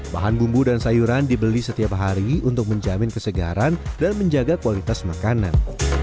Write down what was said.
bahan bumbu dan sayuran dibeli setiap hari untuk menjamin kesegaran dan menjaga kualitas makanan